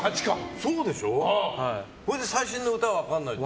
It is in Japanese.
それで最新の歌分かんないって。